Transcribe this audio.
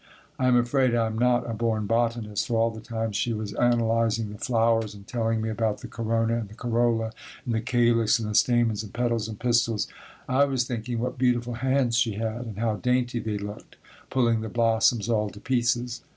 I am afraid I am not a born botanist, for all the time she was analysing the flowers and telling me about the corona and the corolla and the calyx and the stamens and petals and pistils, I was thinking what beautiful hands she had and how dainty they looked, pulling the blossoms all to pieces.